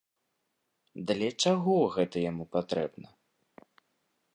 Для чаго гэта яму патрэбна?